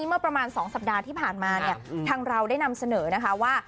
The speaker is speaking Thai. เมื่อประมาณ๒สัปดาห์ที่ผ่านมาเนี่ยทางเราได้นำเสนอนะคะว่า